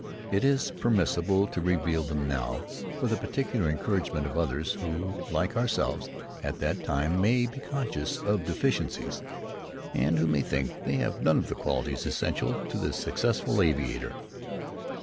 It is permissible to reveal them now, for the particular encouragement of others who, like ourselves at that time, may be conscious of deficiencies, and who may think that they have none of the qualities essential to the successful aviator.